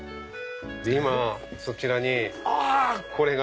今そちらにこれが。